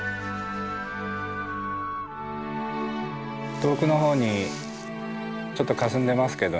遠くの方にちょっとかすんでますけどね